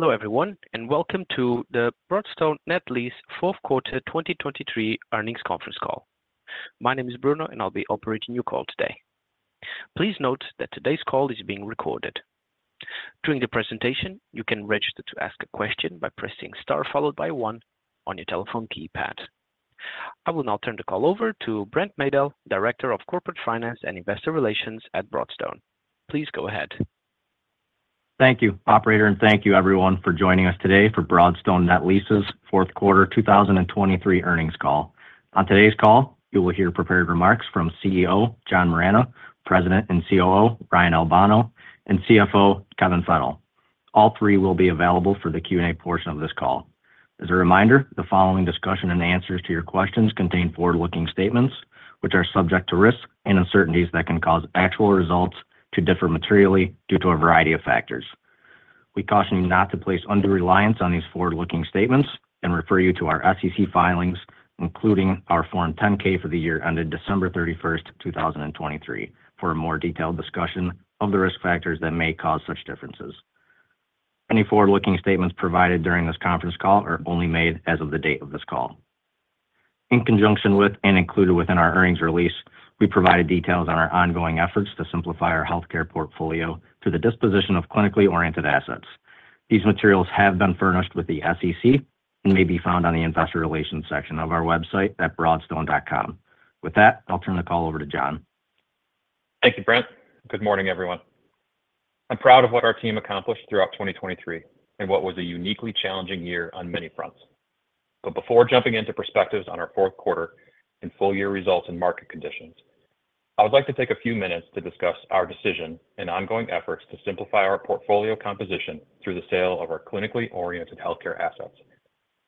Hello, everyone, and welcome to the Broadstone Net Lease Fourth Quarter 2023 earnings conference call. My name is Bruno, and I'll be operating your call today. Please note that today's call is being recorded. During the presentation, you can register to ask a question by pressing Star, followed by One on your telephone keypad. I will now turn the call over to Brent Maedl, Director of Corporate Finance and Investor Relations at Broadstone. Please go ahead. Thank you, operator, and thank you everyone for joining us today for Broadstone Net Lease's fourth quarter 2023 earnings call. On today's call, you will hear prepared remarks from CEO John Moragne, President and COO Ryan Albano, and CFO Kevin Fennell. All three will be available for the Q&A portion of this call. As a reminder, the following discussion and answers to your questions contain forward-looking statements, which are subject to risks and uncertainties that can cause actual results to differ materially due to a variety of factors. We caution you not to place undue reliance on these forward-looking statements and refer you to our SEC filings, including our Form 10-K for the year ended December 31, 2023, for a more detailed discussion of the risk factors that may cause such differences. Any forward-looking statements provided during this conference call are only made as of the date of this call. In conjunction with and included within our earnings release, we provided details on our ongoing efforts to simplify our healthcare portfolio through the disposition of clinically oriented assets. These materials have been furnished with the SEC and may be found on the Investor Relations section of our website at broadstone.com. With that, I'll turn the call over to John. Thank you, Brent. Good morning, everyone. I'm proud of what our team accomplished throughout 2023, in what was a uniquely challenging year on many fronts. But before jumping into perspectives on our fourth quarter and full year results and market conditions, I would like to take a few minutes to discuss our decision and ongoing efforts to simplify our portfolio composition through the sale of our clinically oriented healthcare assets,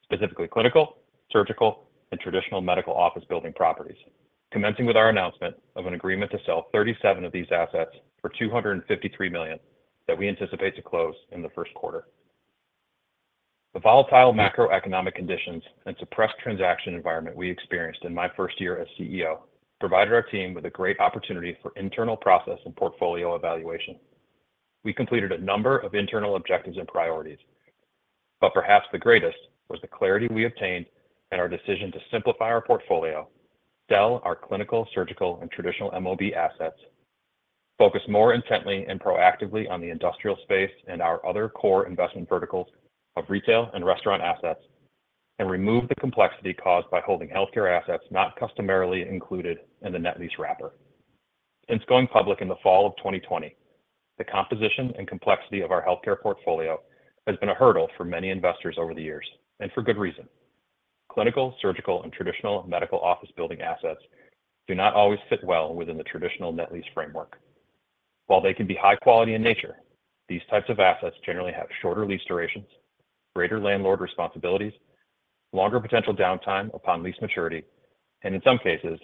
specifically, clinical, surgical, and traditional medical office building properties. Commencing with our announcement of an agreement to sell 37 of these assets for $253 million that we anticipate to close in the first quarter. The volatile macroeconomic conditions and suppressed transaction environment we experienced in my first year as CEO provided our team with a great opportunity for internal process and portfolio evaluation. We completed a number of internal objectives and priorities, but perhaps the greatest was the clarity we obtained and our decision to simplify our portfolio, sell our clinical, surgical, and traditional MOB assets, focus more intently and proactively on the industrial space and our other core investment verticals of retail and restaurant assets, and remove the complexity caused by holding healthcare assets not customarily included in the net lease wrapper. Since going public in the fall of 2020, the composition and complexity of our healthcare portfolio has been a hurdle for many investors over the years, and for good reason. Clinical, surgical, and traditional medical office building assets do not always fit well within the traditional net lease framework. While they can be high quality in nature, these types of assets generally have shorter lease durations, greater landlord responsibilities, longer potential downtime upon lease maturity, and in some cases,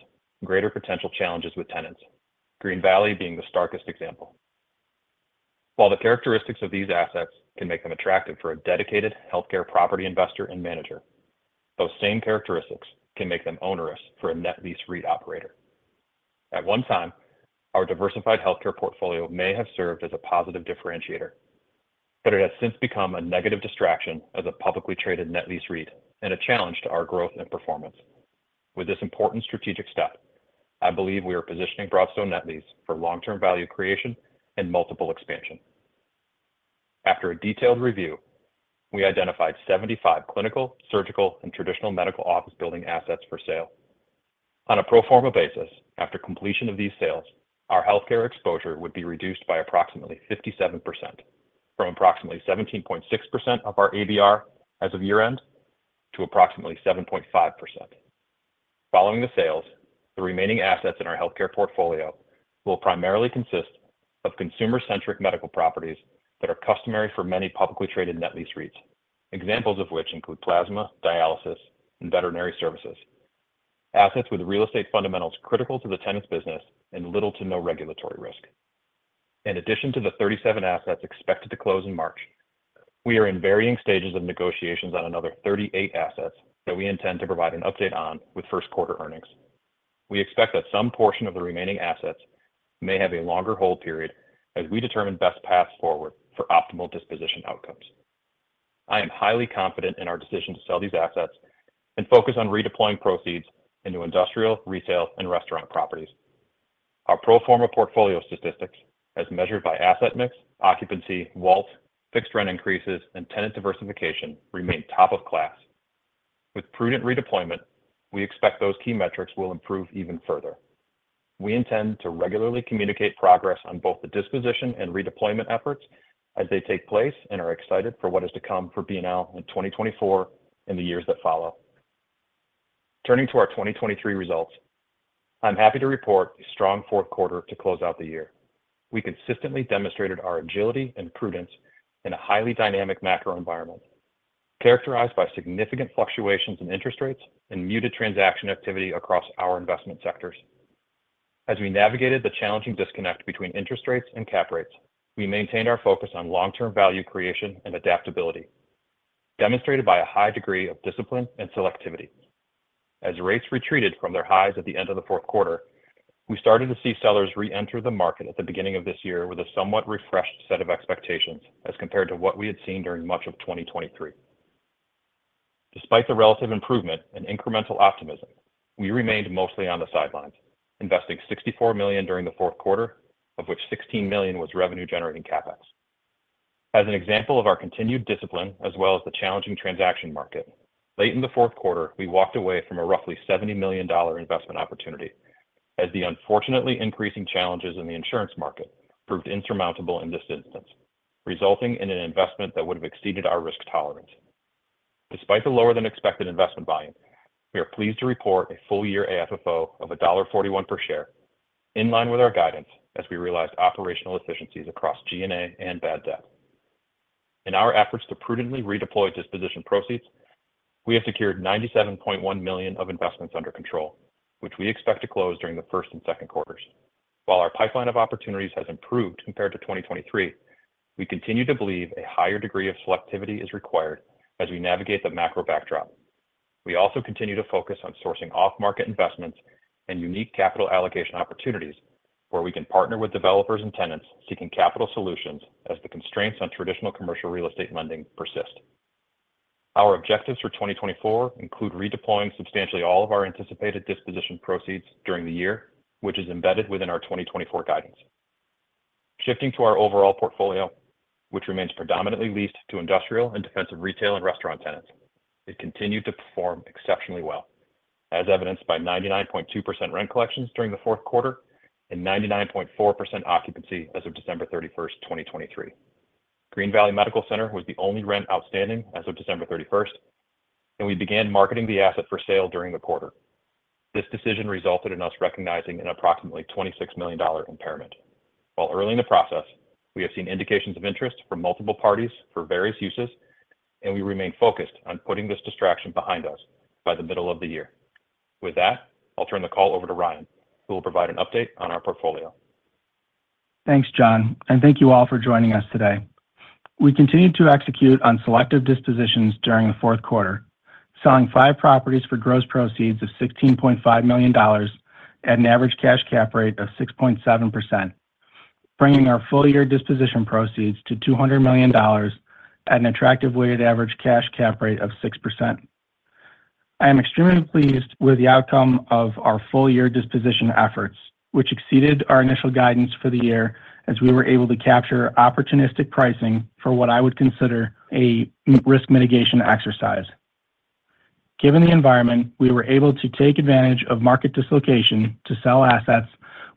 greater potential challenges with tenants, Green Valley being the starkest example. While the characteristics of these assets can make them attractive for a dedicated healthcare property investor and manager, those same characteristics can make them onerous for a net lease REIT operator. At one time, our diversified healthcare portfolio may have served as a positive differentiator, but it has since become a negative distraction as a publicly traded net lease REIT and a challenge to our growth and performance. With this important strategic step, I believe we are positioning Broadstone Net Lease for long-term value creation and multiple expansion. After a detailed review, we identified 75 clinical, surgical, and traditional medical office building assets for sale. On a pro forma basis, after completion of these sales, our healthcare exposure would be reduced by approximately 57%, from approximately 17.6% of our ABR as of year-end to approximately 7.5%. Following the sales, the remaining assets in our healthcare portfolio will primarily consist of consumer-centric medical properties that are customary for many publicly traded net lease REITs, examples of which include plasma, dialysis, and veterinary services, assets with real estate fundamentals critical to the tenant's business and little to no regulatory risk. In addition to the 37 assets expected to close in March, we are in varying stages of negotiations on another 38 assets that we intend to provide an update on with first quarter earnings. We expect that some portion of the remaining assets may have a longer hold period as we determine best paths forward for optimal disposition outcomes. I am highly confident in our decision to sell these assets and focus on redeploying proceeds into industrial, retail, and restaurant properties. Our pro forma portfolio statistics, as measured by asset mix, occupancy, WALT, fixed rent increases, and tenant diversification, remain top of class. With prudent redeployment, we expect those key metrics will improve even further. We intend to regularly communicate progress on both the disposition and redeployment efforts as they take place and are excited for what is to come for BNL in 2024 and the years that follow. Turning to our 2023 results, I'm happy to report a strong fourth quarter to close out the year. We consistently demonstrated our agility and prudence in a highly dynamic macro environment, characterized by significant fluctuations in interest rates and muted transaction activity across our investment sectors. As we navigated the challenging disconnect between interest rates and cap rates, we maintained our focus on long-term value creation and adaptability... demonstrated by a high degree of discipline and selectivity. As rates retreated from their highs at the end of the fourth quarter, we started to see sellers reenter the market at the beginning of this year with a somewhat refreshed set of expectations as compared to what we had seen during much of 2023. Despite the relative improvement and incremental optimism, we remained mostly on the sidelines, investing $64 million during the fourth quarter, of which $16 million was revenue-generating CapEx. As an example of our continued discipline as well as the challenging transaction market, late in the fourth quarter, we walked away from a roughly $70 million investment opportunity, as the unfortunately increasing challenges in the insurance market proved insurmountable in this instance, resulting in an investment that would have exceeded our risk tolerance. Despite the lower than expected investment volume, we are pleased to report a full year AFFO of $1.41 per share, in line with our guidance, as we realized operational efficiencies across G&A and bad debt. In our efforts to prudently redeploy disposition proceeds, we have secured $97.1 million of investments under control, which we expect to close during the first and second quarters. While our pipeline of opportunities has improved compared to 2023, we continue to believe a higher degree of selectivity is required as we navigate the macro backdrop. We also continue to focus on sourcing off-market investments and unique capital allocation opportunities where we can partner with developers and tenants seeking capital solutions as the constraints on traditional commercial real estate lending persist. Our objectives for 2024 include redeploying substantially all of our anticipated disposition proceeds during the year, which is embedded within our 2024 guidance. Shifting to our overall portfolio, which remains predominantly leased to industrial and defensive retail and restaurant tenants, it continued to perform exceptionally well, as evidenced by 99.2% rent collections during the fourth quarter and 99.4% occupancy as of December 31, 2023. Green Valley Medical Center was the only rent outstanding as of December 31, and we began marketing the asset for sale during the quarter. This decision resulted in us recognizing an approximately $26 million impairment. While early in the process, we have seen indications of interest from multiple parties for various uses, and we remain focused on putting this distraction behind us by the middle of the year. With that, I'll turn the call over to Ryan, who will provide an update on our portfolio. Thanks, John, and thank you all for joining us today. We continued to execute on selective dispositions during the fourth quarter, selling five properties for gross proceeds of $16.5 million at an average cash cap rate of 6.7%, bringing our full year disposition proceeds to $200 million at an attractive weighted average cash cap rate of 6%. I am extremely pleased with the outcome of our full year disposition efforts, which exceeded our initial guidance for the year as we were able to capture opportunistic pricing for what I would consider a risk mitigation exercise. Given the environment, we were able to take advantage of market dislocation to sell assets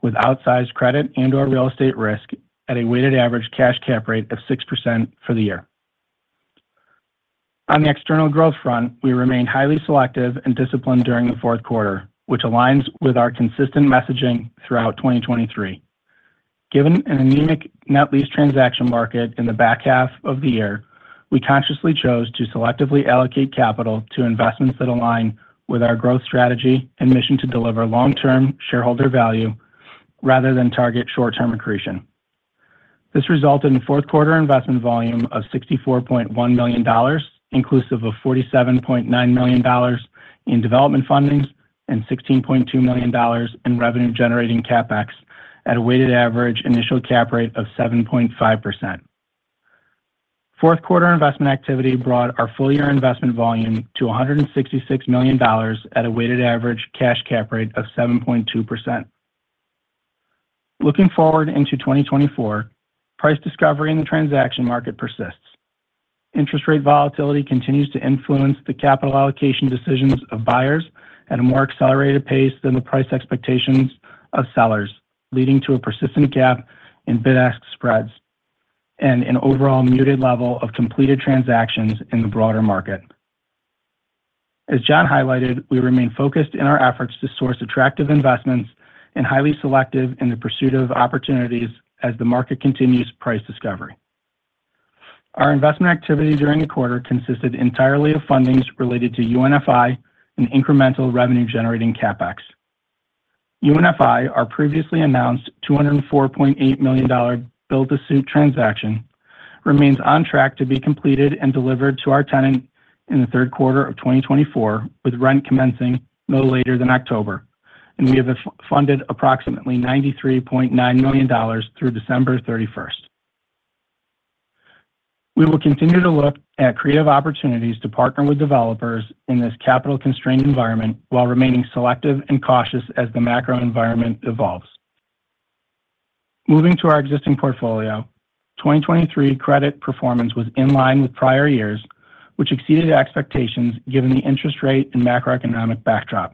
with outsized credit and/or real estate risk at a weighted average cash cap rate of 6% for the year. On the external growth front, we remain highly selective and disciplined during the fourth quarter, which aligns with our consistent messaging throughout 2023. Given an anemic net lease transaction market in the back half of the year, we consciously chose to selectively allocate capital to investments that align with our growth strategy and mission to deliver long-term shareholder value rather than target short-term accretion. This resulted in fourth quarter investment volume of $64.1 million, inclusive of $47.9 million in development fundings and $16.2 million in revenue-generating CapEx at a weighted average initial Cap Rate of 7.5%. Fourth quarter investment activity brought our full year investment volume to $166 million at a weighted average cash Cap Rate of 7.2%. Looking forward into 2024, price discovery in the transaction market persists. Interest rate volatility continues to influence the capital allocation decisions of buyers at a more accelerated pace than the price expectations of sellers, leading to a persistent gap in bid-ask spreads and an overall muted level of completed transactions in the broader market. As John highlighted, we remain focused in our efforts to source attractive investments and highly selective in the pursuit of opportunities as the market continues price discovery. Our investment activity during the quarter consisted entirely of fundings related to UNFI and incremental revenue-generating CapEx. UNFI, our previously announced $204.8 million build-to-suit transaction, remains on track to be completed and delivered to our tenant in the third quarter of 2024, with rent commencing no later than October, and we have funded approximately $93.9 million through December 31. We will continue to look at creative opportunities to partner with developers in this capital-constrained environment while remaining selective and cautious as the macro environment evolves. Moving to our existing portfolio, 2023 credit performance was in line with prior years, which exceeded expectations, given the interest rate and macroeconomic backdrop.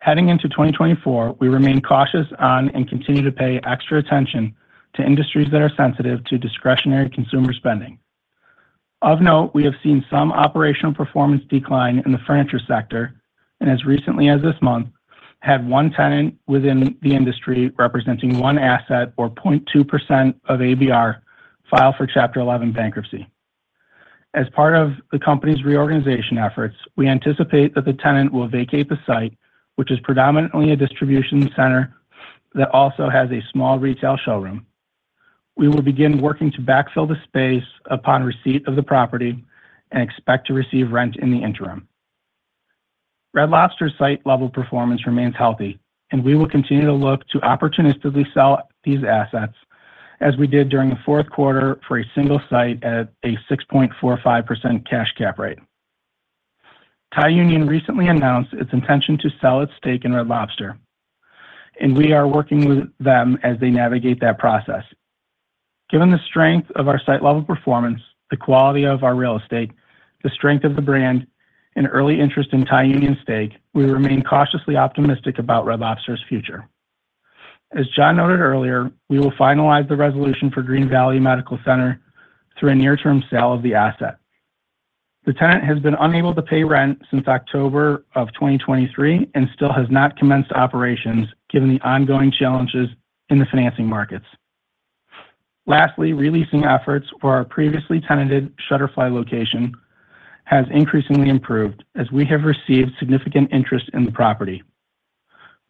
Heading into 2024, we remain cautious on and continue to pay extra attention to industries that are sensitive to discretionary consumer spending. Of note, we have seen some operational performance decline in the furniture sector, and as recently as this month, had one tenant within the industry representing one asset or 0.2% of ABR file for Chapter 11 bankruptcy. As part of the company's reorganization efforts, we anticipate that the tenant will vacate the site, which is predominantly a distribution center that also has a small retail showroom. We will begin working to backfill the space upon receipt of the property and expect to receive rent in the interim. Red Lobster's site-level performance remains healthy, and we will continue to look to opportunistically sell these assets, as we did during the fourth quarter for a single site at a 6.45% cash cap rate. Thai Union recently announced its intention to sell its stake in Red Lobster, and we are working with them as they navigate that process. Given the strength of our site-level performance, the quality of our real estate, the strength of the brand, and early interest in Thai Union's stake, we remain cautiously optimistic about Red Lobster's future. As John noted earlier, we will finalize the resolution for Green Valley Medical Center through a near-term sale of the asset. The tenant has been unable to pay rent since October of 2023 and still has not commenced operations, given the ongoing challenges in the financing markets. Lastly, re-leasing efforts for our previously tenanted Shutterfly location has increasingly improved, as we have received significant interest in the property.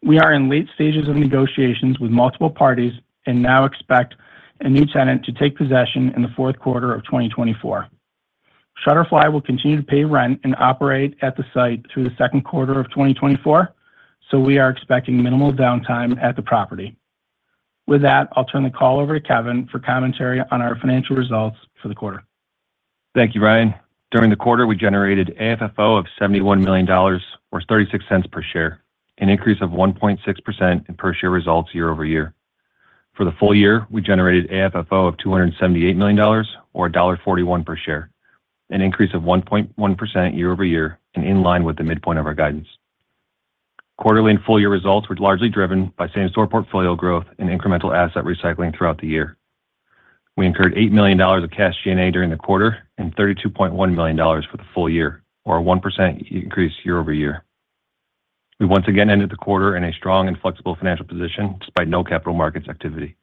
We are in late stages of negotiations with multiple parties and now expect a new tenant to take possession in the fourth quarter of 2024. Shutterfly will continue to pay rent and operate at the site through the second quarter of 2024, so we are expecting minimal downtime at the property. With that, I'll turn the call over to Kevin for commentary on our financial results for the quarter. Thank you, Ryan. During the quarter, we generated AFFO of $71 million, or 36 cents per share, an increase of 1.6% in per share results year-over-year. For the full year, we generated AFFO of $278 million or $1.41 per share, an increase of 1.1% year-over-year and in line with the midpoint of our guidance. Quarterly and full year results were largely driven by same-store portfolio growth and incremental asset recycling throughout the year. We incurred $8 million of cash G&A during the quarter and $32.1 million for the full year, or a 1% increase year-over-year. We once again ended the quarter in a strong and flexible financial position, despite no capital markets activity.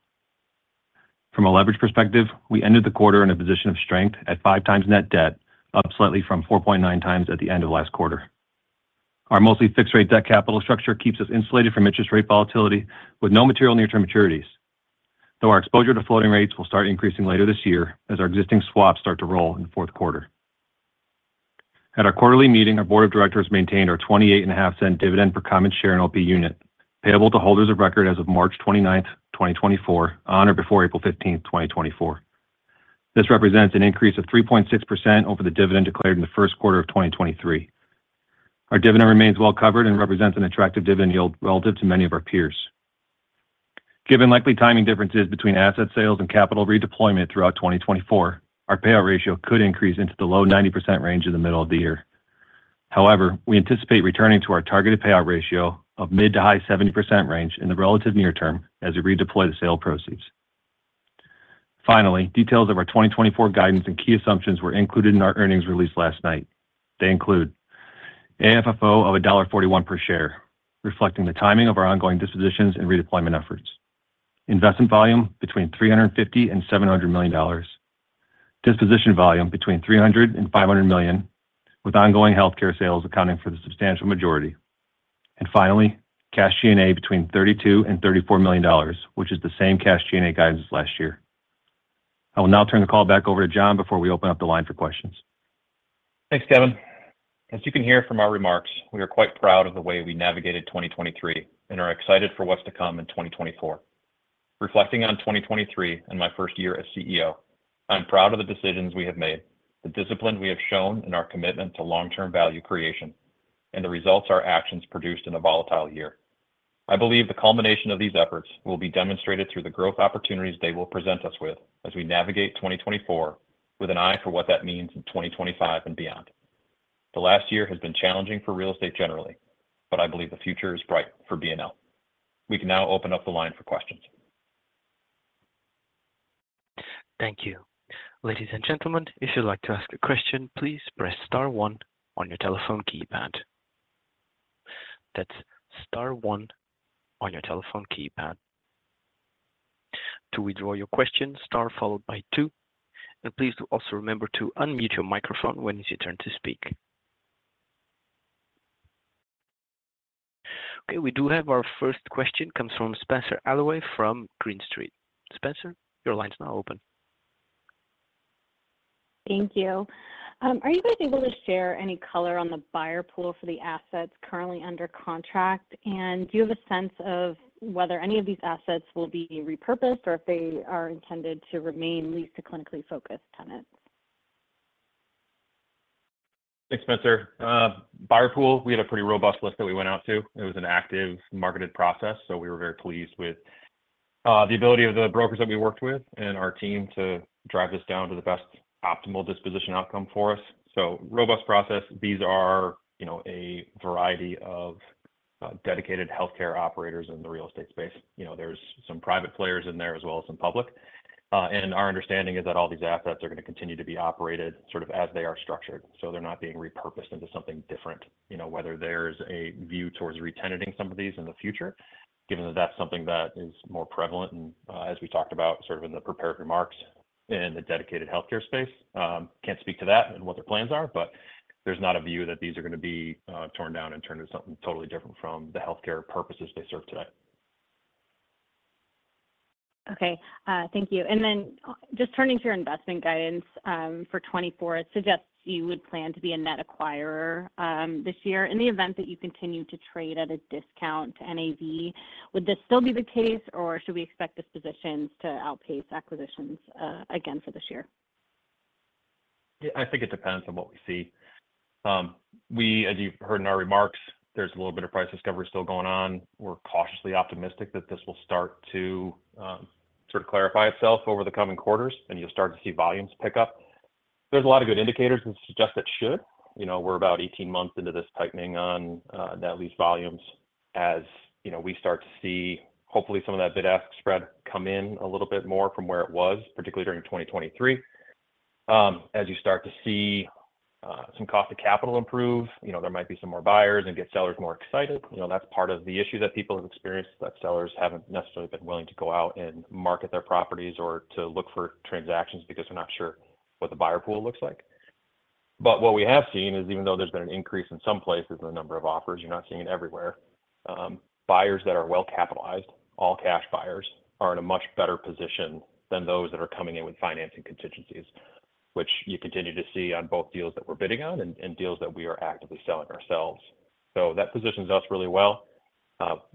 From a leverage perspective, we ended the quarter in a position of strength at 5x net debt, up slightly from 4.9x at the end of last quarter. Our mostly fixed rate debt capital structure keeps us insulated from interest rate volatility, with no material near-term maturities. Though our exposure to floating rates will start increasing later this year as our existing swaps start to roll in the fourth quarter. At our quarterly meeting, our board of directors maintained our $0.285 dividend per common share and OP unit, payable to holders of record as of March 29, 2024, on or before April 15, 2024. This represents an increase of 3.6% over the dividend declared in the first quarter of 2023. Our dividend remains well covered and represents an attractive dividend yield relative to many of our peers. Given likely timing differences between asset sales and capital redeployment throughout 2024, our payout ratio could increase into the low 90% range in the middle of the year. However, we anticipate returning to our targeted payout ratio of mid- to high 70% range in the relatively near term as we redeploy the sale proceeds. Finally, details of our 2024 guidance and key assumptions were included in our earnings release last night. They include: AFFO of $1.41 per share, reflecting the timing of our ongoing dispositions and redeployment efforts. Investment volume between $350-$700 million. Disposition volume between $300-$500 million, with ongoing healthcare sales accounting for the substantial majority. And finally, cash G&A between $32-$34 million, which is the same cash G&A guidance as last year. I will now turn the call back over to John before we open up the line for questions. Thanks, Kevin. As you can hear from our remarks, we are quite proud of the way we navigated 2023 and are excited for what's to come in 2024. Reflecting on 2023 and my first year as CEO, I'm proud of the decisions we have made, the discipline we have shown in our commitment to long-term value creation, and the results our actions produced in a volatile year. I believe the culmination of these efforts will be demonstrated through the growth opportunities they will present us with as we navigate 2024 with an eye for what that means in 2025 and beyond. The last year has been challenging for real estate generally, but I believe the future is bright for BNL. We can now open up the line for questions. Thank you. Ladies and gentlemen, if you'd like to ask a question, please press star one on your telephone keypad. That's star one on your telephone keypad. To withdraw your question, star followed by two, and please do also remember to unmute your microphone when it's your turn to speak. Okay, we do have our first question, comes from Spenser Allaway from Green Street. Spenser, your line is now open. Thank you. Are you guys able to share any color on the buyer pool for the assets currently under contract? And do you have a sense of whether any of these assets will be repurposed or if they are intended to remain leased to clinically focused tenants? Thanks, Spenser. Buyer pool, we had a pretty robust list that we went out to. It was an active, marketed process, so we were very pleased with the ability of the brokers that we worked with and our team to drive this down to the best optimal disposition outcome for us. So robust process. These are, you know, a variety of dedicated healthcare operators in the real estate space. You know, there's some private players in there as well as some public. And our understanding is that all these assets are gonna continue to be operated sort of as they are structured, so they're not being repurposed into something different. You know, whether there's a view towards retenanting some of these in the future, given that that's something that is more prevalent and, as we talked about, sort of in the prepared remarks.... in the dedicated healthcare space. Can't speak to that and what their plans are, but there's not a view that these are gonna be torn down and turned into something totally different from the healthcare purposes they serve today. Okay. Thank you. And then just turning to your investment guidance, for 2024, it suggests you would plan to be a net acquirer, this year. In the event that you continue to trade at a discount to NAV, would this still be the case, or should we expect dispositions to outpace acquisitions, again for this year? Yeah, I think it depends on what we see. We, as you've heard in our remarks, there's a little bit of price discovery still going on. We're cautiously optimistic that this will start to sort of clarify itself over the coming quarters, and you'll start to see volumes pick up. There's a lot of good indicators that suggest it should. You know, we're about 18 months into this tightening on net lease volumes. As you know, we start to see hopefully some of that bid-ask spread come in a little bit more from where it was, particularly during 2023. As you start to see some cost of capital improve, you know, there might be some more buyers and get sellers more excited. You know, that's part of the issue that people have experienced, that sellers haven't necessarily been willing to go out and market their properties or to look for transactions because they're not sure what the buyer pool looks like. But what we have seen is, even though there's been an increase in some places in the number of offers, you're not seeing it everywhere. Buyers that are well capitalized, all-cash buyers, are in a much better position than those that are coming in with financing contingencies, which you continue to see on both deals that we're bidding on and deals that we are actively selling ourselves. So that positions us really well.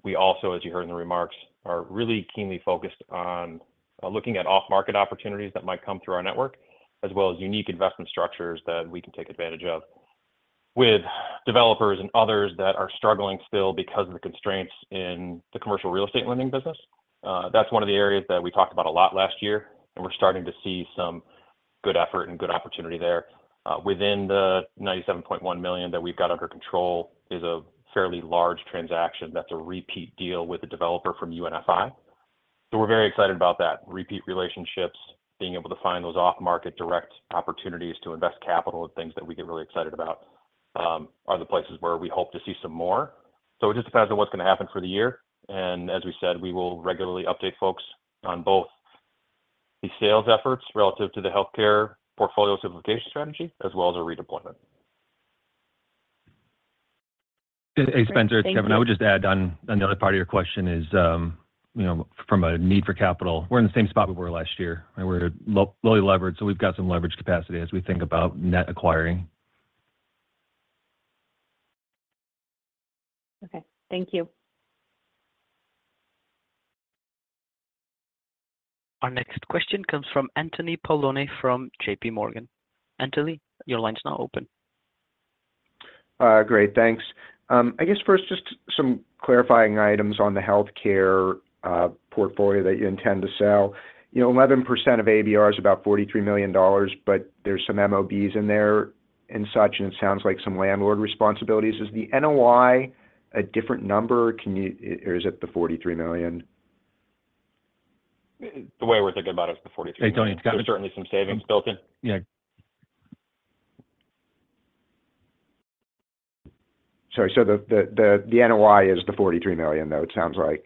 We also, as you heard in the remarks, are really keenly focused on looking at off-market opportunities that might come through our network, as well as unique investment structures that we can take advantage of. With developers and others that are struggling still because of the constraints in the commercial real estate lending business, that's one of the areas that we talked about a lot last year, and we're starting to see some good effort and good opportunity there. Within the $97.1 million that we've got under control is a fairly large transaction that's a repeat deal with a developer from UNFI. So we're very excited about that. Repeat relationships, being able to find those off-market, direct opportunities to invest capital and things that we get really excited about, are the places where we hope to see some more. It just depends on what's gonna happen for the year, and as we said, we will regularly update folks on both the sales efforts relative to the healthcare portfolio simplification strategy, as well as our redeployment. Thank you. Hey, Spenser, it's Kevin. I would just add on, on the other part of your question is, you know, from a need for capital, we're in the same spot we were last year, and we're lowly leveraged, so we've got some leverage capacity as we think about net acquiring. Okay, thank you. Our next question comes from Anthony Paolone from J.P. Morgan. Anthony, your line's now open. Great, thanks. I guess first, just some clarifying items on the healthcare portfolio that you intend to sell. You know, 11% of ABR is about $43 million, but there's some MOBs in there and such, and it sounds like some landlord responsibilities. Is the NOI a different number, or is it the $43 million? The way we're thinking about it is the $43 million. There's certainly some savings built in. Yeah. Sorry, so the NOI is the $43 million, though, it sounds like.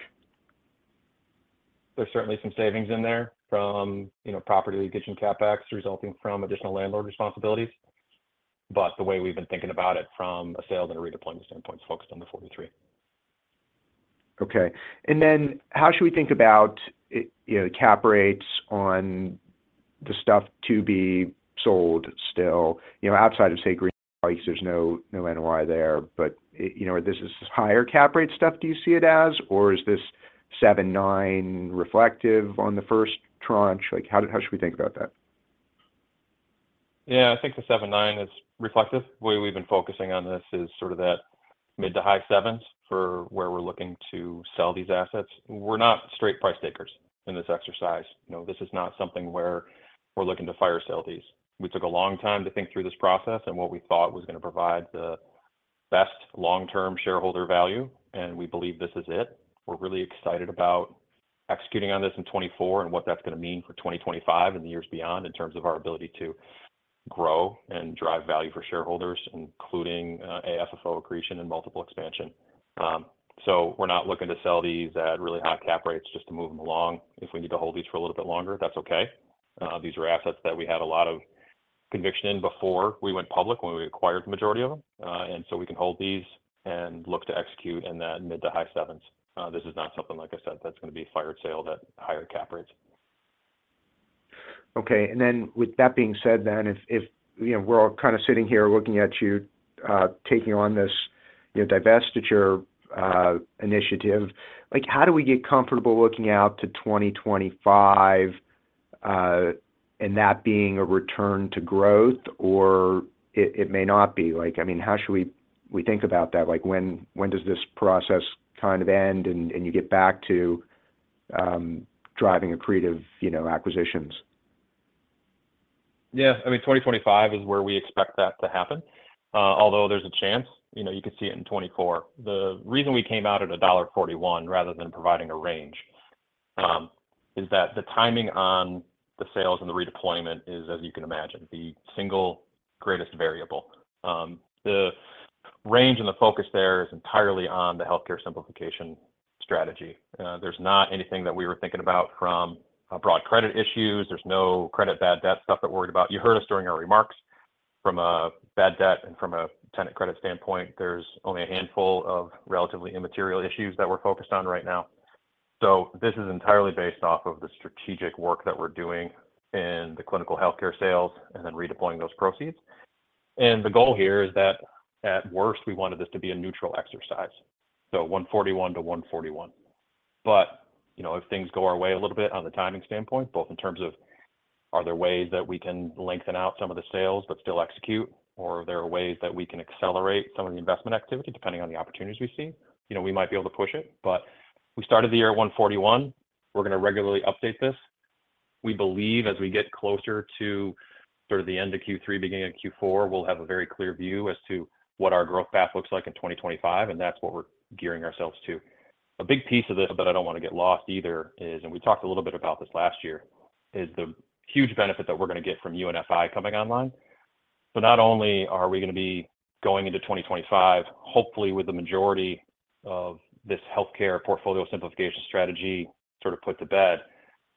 There's certainly some savings in there from, you know, property addition CapEx resulting from additional landlord responsibilities. But the way we've been thinking about it from a sales and a redeployment standpoint is focused on the 43. Okay. And then how should we think about it, you know, the cap rates on the stuff to be sold still? You know, outside of, say, Green Valley, there's no NOI there, but you know, this is higher cap rate stuff, do you see it as, or is this 7.9 reflective on the first tranche? Like, how should we think about that? Yeah, I think the 7.9 is reflective. The way we've been focusing on this is sort of that mid- to high-7s for where we're looking to sell these assets. We're not straight price takers in this exercise. You know, this is not something where we're looking to fire sale these. We took a long time to think through this process and what we thought was gonna provide the best long-term shareholder value, and we believe this is it. We're really excited about executing on this in 2024 and what that's gonna mean for 2025 and the years beyond, in terms of our ability to grow and drive value for shareholders, including AFFO accretion and multiple expansion. So we're not looking to sell these at really high cap rates just to move them along. If we need to hold these for a little bit longer, that's okay. These are assets that we had a lot of conviction in before we went public when we acquired the majority of them. And so we can hold these and look to execute in that mid to high sevens. This is not something, like I said, that's gonna be fire sale at higher cap rates. Okay. With that being said, if you know, we're all kinda sitting here looking at you taking on this you know, divestiture initiative, like, how do we get comfortable looking out to 2025, and that being a return to growth, or it may not be? Like, I mean, how should we think about that? Like, when does this process kind of end, and you get back to driving accretive you know, acquisitions? Yeah, I mean, 2025 is where we expect that to happen. Although there's a chance, you know, you could see it in 2024. The reason we came out at $1.41, rather than providing a range, is that the timing on the sales and the redeployment is, as you can imagine, the single greatest variable. The range and the focus there is entirely on the healthcare simplification strategy. There's not anything that we were thinking about from a broad credit issues. There's no credit, bad debt stuff that we're worried about. You heard us during our remarks from a bad debt and from a tenant credit standpoint, there's only a handful of relatively immaterial issues that we're focused on right now. So this is entirely based off of the strategic work that we're doing in the clinical healthcare sales and then redeploying those proceeds. The goal here is that, at worst, we wanted this to be a neutral exercise, so 1.41 to 1.41. But, you know, if things go our way a little bit on the timing standpoint, both in terms of are there ways that we can lengthen out some of the sales but still execute, or are there ways that we can accelerate some of the investment activity, depending on the opportunities we see? You know, we might be able to push it, but we started the year at 1.41. We're gonna regularly update this. We believe as we get closer to sort of the end of Q3, beginning of Q4, we'll have a very clear view as to what our growth path looks like in 2025, and that's what we're gearing ourselves to. A big piece of this that I don't wanna get lost either is, and we talked a little bit about this last year, is the huge benefit that we're gonna get from UNFI coming online. So not only are we gonna be going into 2025, hopefully with the majority of this healthcare portfolio simplification strategy sort of put to bed,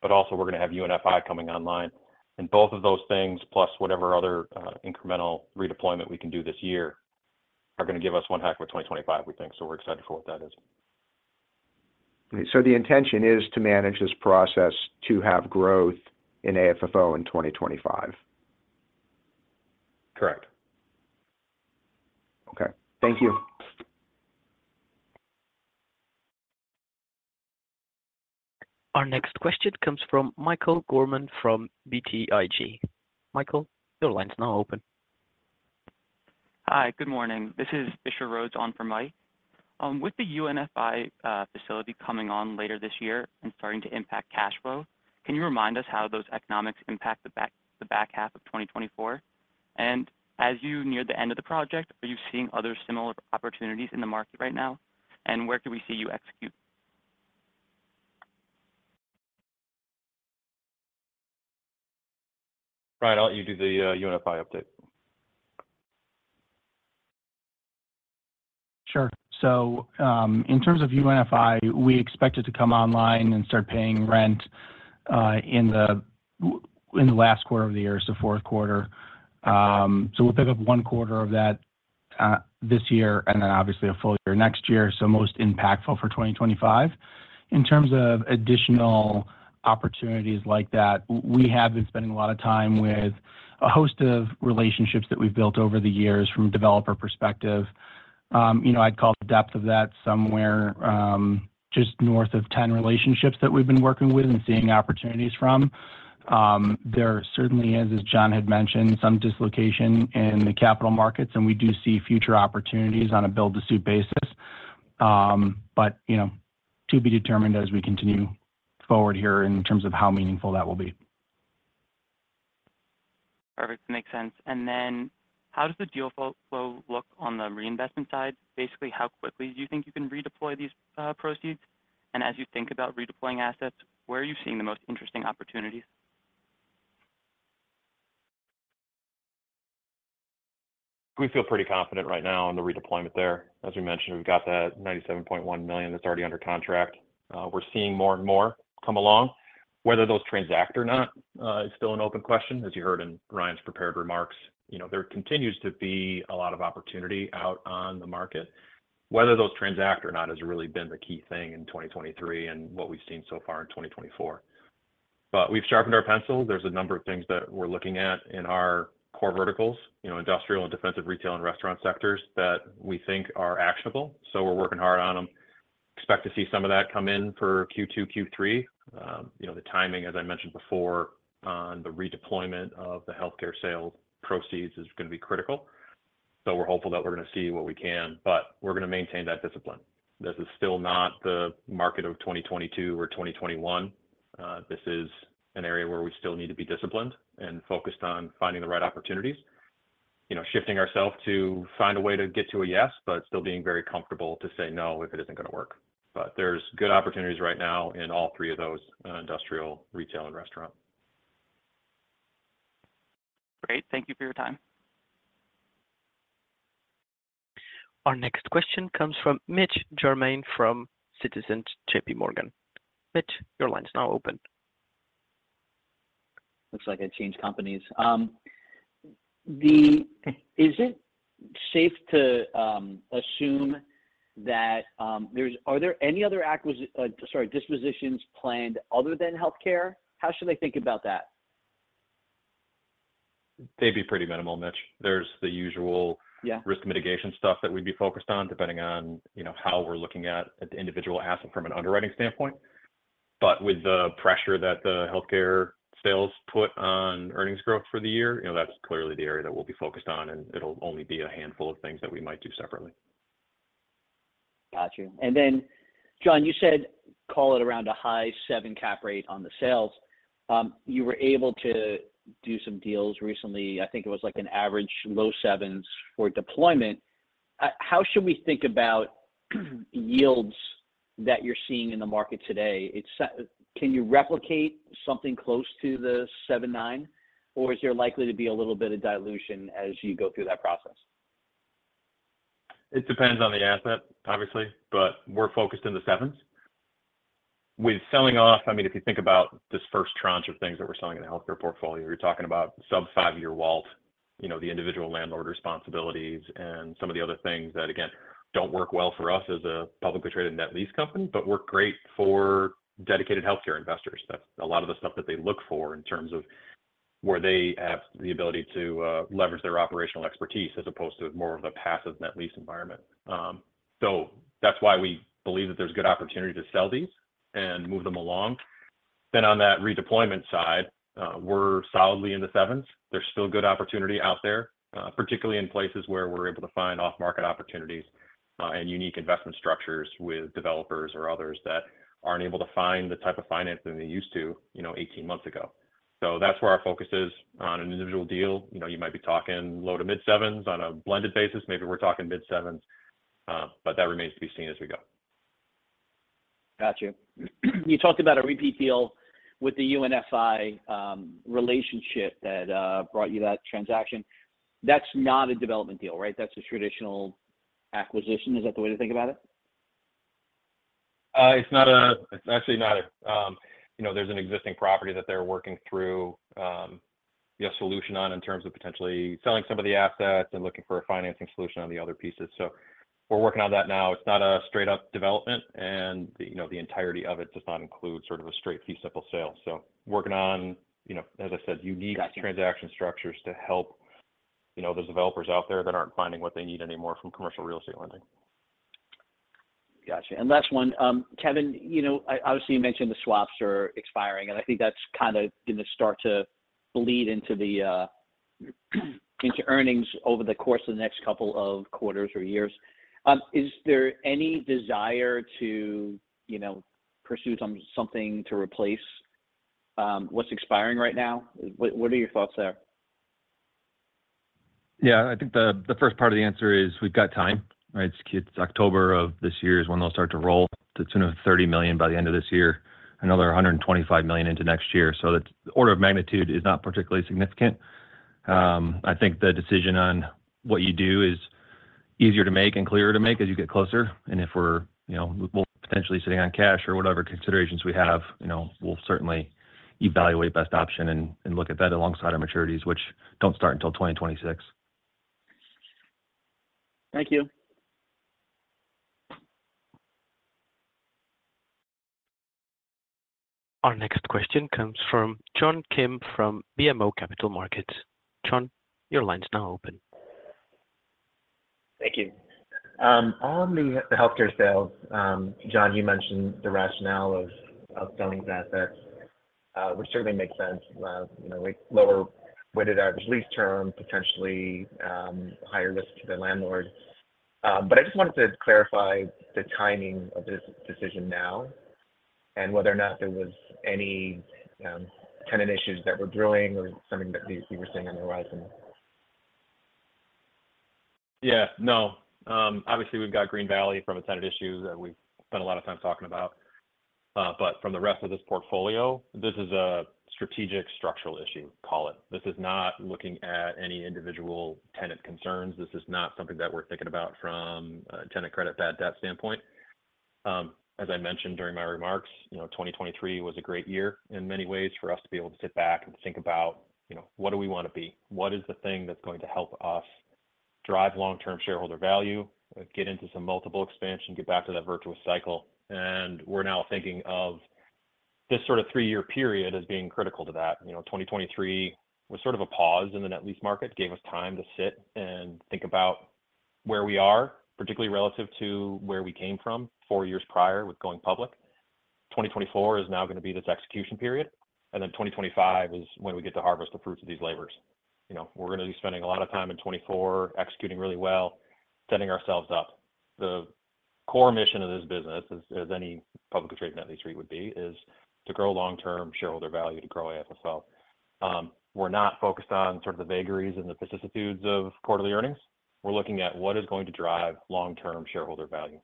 but also we're gonna have UNFI coming online. And both of those things, plus whatever other incremental redeployment we can do this year, are gonna give us one heck of a 2025, we think. So we're excited for what that is. The intention is to manage this process to have growth in AFFO in 2025? Correct. Okay. Thank you. Our next question comes from Michael Gorman from BTIG. Michael, your line's now open. Hi, good morning. This is Fisher Rhodes on for Mike. With the UNFI facility coming on later this year and starting to impact cash flow, can you remind us how those economics impact the back half of 2024? And as you near the end of the project, are you seeing other similar opportunities in the market right now, and where do we see you execute? Ryan, I'll let you do the UNFI update. Sure. So, in terms of UNFI, we expect it to come online and start paying rent in the last quarter of the year, so fourth quarter. So we'll pick up one quarter of that this year, and then obviously a full year next year, so most impactful for 2025. In terms of additional opportunities like that, we have been spending a lot of time with a host of relationships that we've built over the years from a developer perspective. You know, I'd call the depth of that somewhere just north of 10 relationships that we've been working with and seeing opportunities from. There certainly is, as John had mentioned, some dislocation in the capital markets, and we do see future opportunities on a build-to-suit basis. But, you know, to be determined as we continue forward here in terms of how meaningful that will be. Perfect. Makes sense. How does the deal flow look on the reinvestment side? Basically, how quickly do you think you can redeploy these proceeds? And as you think about redeploying assets, where are you seeing the most interesting opportunities? We feel pretty confident right now in the redeployment there. As we mentioned, we've got that $97.1 million that's already under contract. We're seeing more and more come along. Whether those transact or not is still an open question, as you heard in Ryan's prepared remarks. You know, there continues to be a lot of opportunity out on the market. Whether those transact or not has really been the key thing in 2023 and what we've seen so far in 2024. But we've sharpened our pencil. There's a number of things that we're looking at in our core verticals, you know, industrial and defensive retail and restaurant sectors, that we think are actionable, so we're working hard on them. Expect to see some of that come in for Q2, Q3. You know, the timing, as I mentioned before, on the redeployment of the healthcare sales proceeds is gonna be critical, so we're hopeful that we're gonna see what we can, but we're gonna maintain that discipline. This is still not the market of 2022 or 2021. This is an area where we still need to be disciplined and focused on finding the right opportunities. You know, shifting ourselves to find a way to get to a yes, but still being very comfortable to say no if it isn't gonna work. But there's good opportunities right now in all three of those, industrial, retail, and restaurant. Great. Thank you for your time. Our next question comes from Mitch Germain from Citizens JMP. Mitch, your line's now open. Looks like I changed companies. Is it safe to assume that there's... Are there any other dispositions planned other than healthcare? How should I think about that? They'd be pretty minimal, Mitch. There's the usual risk mitigation stuff that we'd be focused on, depending on, you know, how we're looking at the individual asset from an underwriting standpoint. But with the pressure that the healthcare sales put on earnings growth for the year, you know, that's clearly the area that we'll be focused on, and it'll only be a handful of things that we might do separately. Got you. And then, John, you said call it around a high 7 cap rate on the sales. You were able to do some deals recently. I think it was like an average low 7s for deployment. How should we think about yields that you're seeing in the market today? Can you replicate something close to the 7-9, or is there likely to be a little bit of dilution as you go through that process? It depends on the asset, obviously, but we're focused in the sevens. With selling off, I mean, if you think about this first tranche of things that we're selling in the healthcare portfolio, you're talking about sub-five-year WALT, you know, the individual landlord responsibilities and some of the other things that, again, don't work well for us as a publicly traded net lease company, but work great for dedicated healthcare investors. That's a lot of the stuff that they look for in terms of where they have the ability to leverage their operational expertise as opposed to more of a passive net lease environment. So that's why we believe that there's good opportunity to sell these and move them along. Then on that redeployment side, we're solidly in the sevens. There's still good opportunity out there, particularly in places where we're able to find off-market opportunities, and unique investment structures with developers or others that aren't able to find the type of financing they used to, you know, 18 months ago. So that's where our focus is. On an individual deal, you know, you might be talking low- to mid-sevens. On a blended basis, maybe we're talking mid-sevens, but that remains to be seen as we go. Got you. You talked about a repeat deal with the UNFI relationship that brought you that transaction. That's not a development deal, right? That's a traditional acquisition. Is that the way to think about it? It's actually not a, you know, there's an existing property that they're working through a solution on in terms of potentially selling some of the assets and looking for a financing solution on the other pieces. So we're working on that now. It's not a straight-up development, and, you know, the entirety of it does not include sort of a straight fee simple sale. So working on, you know, as I said unique transaction structures to help, you know, those developers out there that aren't finding what they need anymore from commercial real estate lending. Got you. And last one, Kevin, you know, I obviously, you mentioned the swaps are expiring, and I think that's kind of going to start to bleed into the into earnings over the course of the next couple of quarters or years. Is there any desire to, you know, pursue something to replace what's expiring right now? What are your thoughts there? Yeah, I think the first part of the answer is we've got time, right? It's October of this year is when they'll start to roll. It's $30 million by the end of this year, another $125 million into next year. So the order of magnitude is not particularly significant. I think the decision on what you do is easier to make and clearer to make as you get closer. And if we're, you know, we'll potentially sitting on cash or whatever considerations we have, you know, we'll certainly evaluate best option and look at that alongside our maturities, which don't start until 2026. Thank you. Our next question comes from John Kim, from BMO Capital Markets. John, your line is now open. Thank you. On the healthcare sales, John, you mentioned the rationale of selling the assets, which certainly makes sense. You know, we lower weighted our lease term, potentially higher risk to the landlord. But I just wanted to clarify the timing of this decision now, and whether or not there was any tenant issues that were brewing or something that you were seeing on the horizon. Yeah. No, obviously, we've got Green Valley from a tenant issue that we've spent a lot of time talking about. But from the rest of this portfolio, this is a strategic structural issue, call it. This is not looking at any individual tenant concerns. This is not something that we're thinking about from a tenant credit bad debt standpoint. As I mentioned during my remarks, you know, 2023 was a great year in many ways for us to be able to sit back and think about, you know, what do we want to be? What is the thing that's going to help us drive long-term shareholder value, get into some multiple expansion, get back to that virtuous cycle? And we're now thinking of this sort of three-year period as being critical to that. You know, 2023 was sort of a pause in the net lease market, gave us time to sit and think about where we are, particularly relative to where we came from four years prior with going public. 2024 is now gonna be this execution period, and then 2025 is when we get to harvest the fruits of these labors. You know, we're gonna be spending a lot of time in 2024, executing really well, setting ourselves up. The core mission of this business, as, as any publicly traded net lease REIT would be, is to grow long-term shareholder value, to grow AFFO. We're not focused on sort of the vagaries and the vicissitudes of quarterly earnings. We're looking at what is going to drive long-term shareholder value.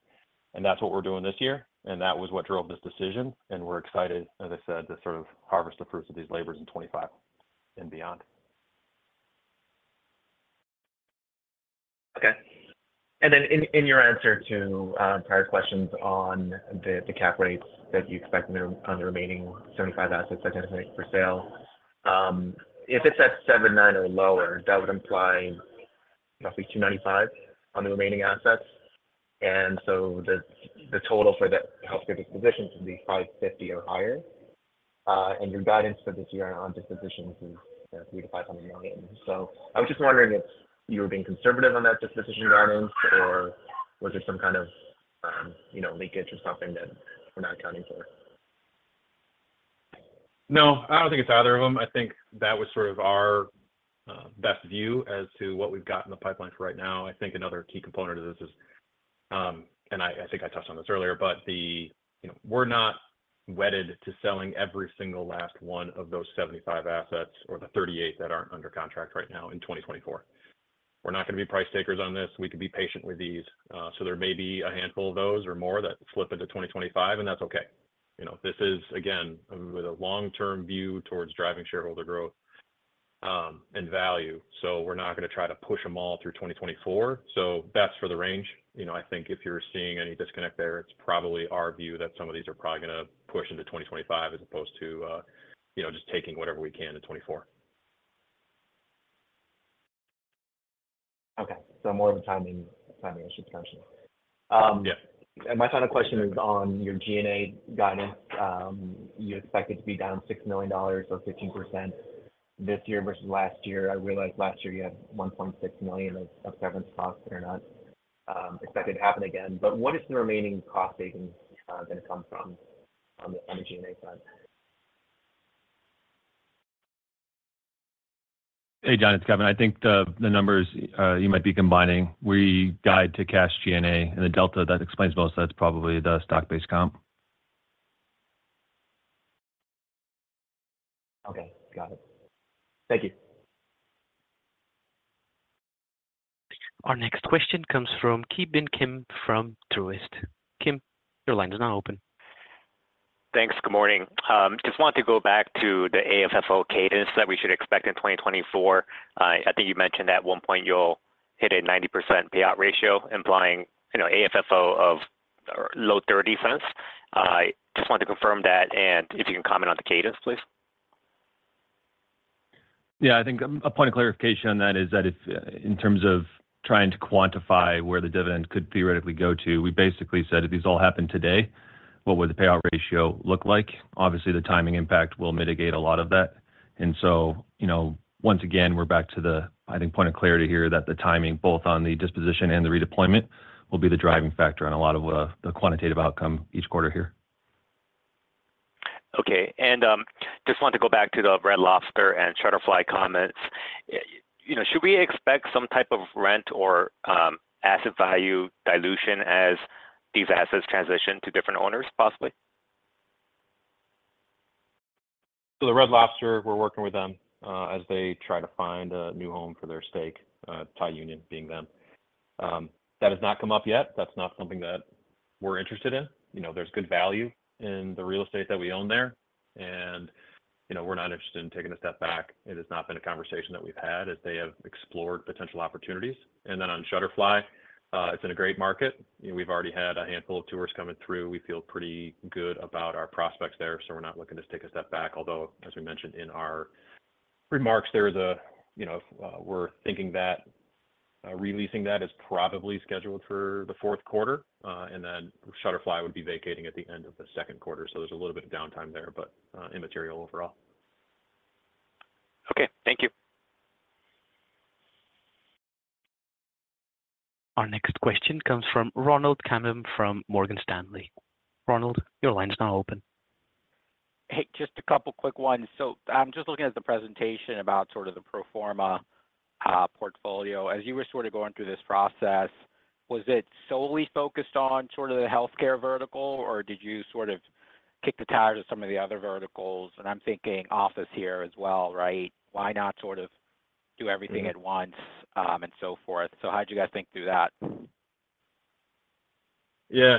And that's what we're doing this year, and that was what drove this decision, and we're excited, as I said, to sort of harvest the fruits of these labors in 2025 and beyond. Okay. And then in your answer to prior questions on the cap rates that you expect on the remaining 75 assets identified for sale, if it's at 7.9 or lower, that would imply roughly $295 million on the remaining assets. And so the total for the healthcare disposition should be $550 million or higher. And your guidance for this year on dispositions is $300 million-$500 million. So I was just wondering if you were being conservative on that disposition guidance, or was there some kind of, you know, leakage or something that we're not accounting for? No, I don't think it's either of them. I think that was sort of our best view as to what we've got in the pipeline for right now. I think another key component of this is, and I, I think I touched on this earlier, but the, you know, we're not wedded to selling every single last one of those 75 assets or the 38 that aren't under contract right now in 2024. We're not gonna be price takers on this. We can be patient with these. So there may be a handful of those or more that flip into 2025, and that's okay. You know, this is, again, with a long-term view towards driving shareholder growth, and value, so we're not gonna try to push them all through 2024. So that's for the range. You know, I think if you're seeing any disconnect there, it's probably our view that some of these are probably gonna push into 2025 as opposed to, you know, just taking whatever we can in 2024. Okay. So more of a timing, timing issue potentially. Yeah. My final question is on your G&A guidance. You expect it to be down $6 million or 15% this year versus last year. I realize last year you had $1.6 million of severance costs that are not expected to happen again. But what is the remaining cost savings gonna come from on the G&A side? Hey, John, it's Kevin. I think the numbers you might be combining. We guide to cash G&A, and the delta that explains most of that's probably the stock-based comp. Okay. Got it. Thank you. Our next question comes from Ki Bin Kim from Truist. Kim, your line is now open. Thanks. Good morning. Just wanted to go back to the AFFO cadence that we should expect in 2024. I think you mentioned at one point you'll hit a 90% payout ratio, implying, you know, AFFO of or low $0.30. I just wanted to confirm that and if you can comment on the cadence, please. Yeah, I think a point of clarification on that is that if in terms of trying to quantify where the dividend could theoretically go to, we basically said, if these all happened today, what would the payout ratio look like? Obviously, the timing impact will mitigate a lot of that. And so, you know, once again, we're back to the, I think, point of clarity here, that the timing, both on the disposition and the redeployment, will be the driving factor on a lot of the quantitative outcome each quarter here. Okay. Just wanted to go back to the Red Lobster and Shutterfly comments. You know, should we expect some type of rent or asset value dilution as these assets transition to different owners, possibly? So the Red Lobster, we're working with them, as they try to find a new home for their stake, Thai Union being them. That has not come up yet. That's not something that we're interested in. You know, there's good value in the real estate that we own there, and, you know, we're not interested in taking a step back. It has not been a conversation that we've had as they have explored potential opportunities. And then on Shutterfly, it's in a great market. You know, we've already had a handful of tours coming through. We feel pretty good about our prospects there, so we're not looking to take a step back, although, as we mentioned in our remarks, there is a, you know, we're thinking that releasing that is probably scheduled for the fourth quarter, and then Shutterfly would be vacating at the end of the second quarter. So there's a little bit of downtime there, but immaterial overall. Okay. Thank you. Our next question comes from Ronald Kamdem from Morgan Stanley. Ronald, your line is now open. Hey, just a couple quick ones. So I'm just looking at the presentation about sort of the pro forma portfolio. As you were sort of going through this process, was it solely focused on sort of the healthcare vertical, or did you sort of kick the tires of some of the other verticals? And I'm thinking office here as well, right? Why not sort of do everything at once, and so forth. So how'd you guys think through that? Yeah.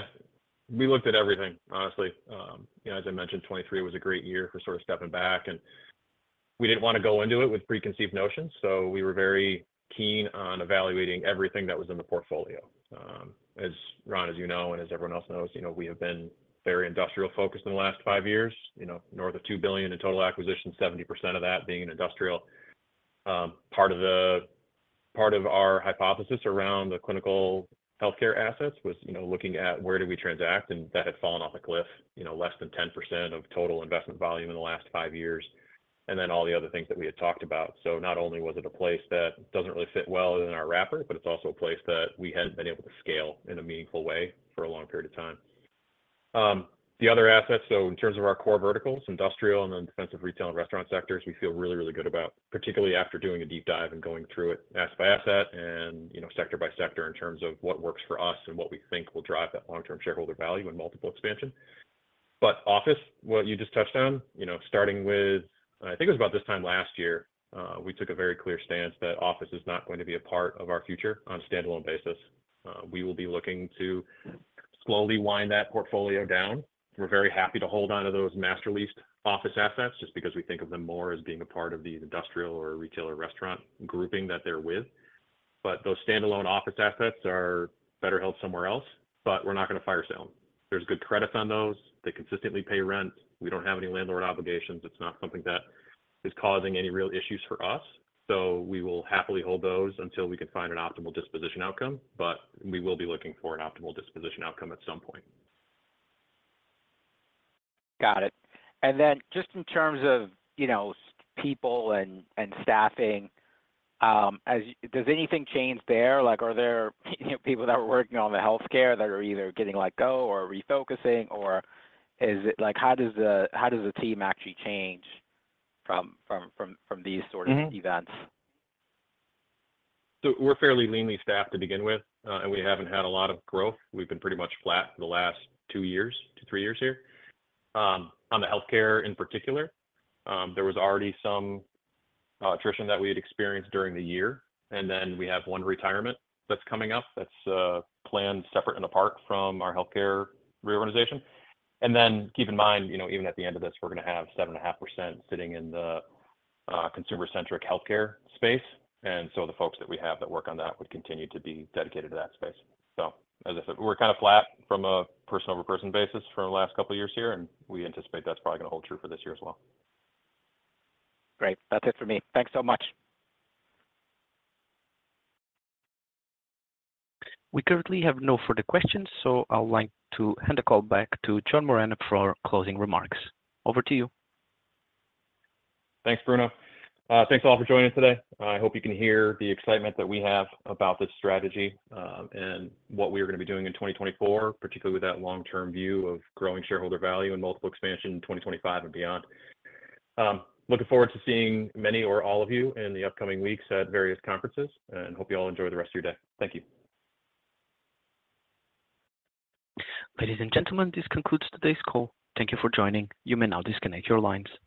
We looked at everything, honestly. You know, as I mentioned, 2023 was a great year for sort of stepping back, and we didn't want to go into it with preconceived notions, so we were very keen on evaluating everything that was in the portfolio. As Ron, as you know, and as everyone else knows, you know, we have been very industrial focused in the last five years, you know, north of $2 billion in total acquisition, 70% of that being in industrial. Part of our hypothesis around the clinical healthcare assets was, you know, looking at where do we transact, and that had fallen off a cliff, you know, less than 10% of total investment volume in the last five years, and then all the other things that we had talked about. So not only was it a place that doesn't really fit well within our wrapper, but it's also a place that we hadn't been able to scale in a meaningful way for a long period of time. The other assets, so in terms of our core verticals, industrial and then defensive retail and restaurant sectors, we feel really, really good about, particularly after doing a deep dive and going through it asset by asset and, you know, sector by sector in terms of what works for us and what we think will drive that long-term shareholder value and multiple expansion. But office, what you just touched on, you know, starting with, I think it was about this time last year, we took a very clear stance that office is not going to be a part of our future on a standalone basis. We will be looking to slowly wind that portfolio down. We're very happy to hold on to those master leased office assets just because we think of them more as being a part of the industrial or retailer restaurant grouping that they're with. But those standalone office assets are better held somewhere else, but we're not gonna fire sale them. There's good credits on those. They consistently pay rent. We don't have any landlord obligations. It's not something that is causing any real issues for us, so we will happily hold those until we can find an optimal disposition outcome, but we will be looking for an optimal disposition outcome at some point. Got it. And then just in terms of, you know, people and staffing, as does anything change there? Like, are there, you know, people that were working on the healthcare that are either getting let go or refocusing, or is it... Like, how does the team actually change from these sort of events? Mm-hmm. So we're fairly leanly staffed to begin with, and we haven't had a lot of growth. We've been pretty much flat for the last 2-3 years here. On the healthcare in particular, there was already some attrition that we had experienced during the year, and then we have one retirement that's coming up that's planned separate and apart from our healthcare reorganization. And then keep in mind, you know, even at the end of this, we're gonna have 7.5% sitting in the consumer-centric healthcare space. And so the folks that we have that work on that would continue to be dedicated to that space. So as I said, we're kind of flat from a person-over-person basis for the last couple of years here, and we anticipate that's probably gonna hold true for this year as well. Great. That's it for me. Thanks so much. We currently have no further questions, so I'd like to hand the call back to John Moragne for closing remarks. Over to you. Thanks, Bruno. Thanks, all, for joining us today. I hope you can hear the excitement that we have about this strategy, and what we are gonna be doing in 2024, particularly with that long-term view of growing shareholder value and multiple expansion in 2025 and beyond. Looking forward to seeing many or all of you in the upcoming weeks at various conferences, and hope you all enjoy the rest of your day. Thank you. Ladies and gentlemen, this concludes today's call. Thank you for joining. You may now disconnect your lines.